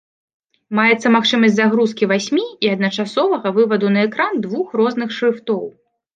Маецца магчымасць загрузкі васьмі і адначасовага вываду на экран двух розных шрыфтоў.